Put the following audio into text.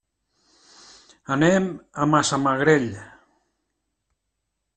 Anem a Massamagrell.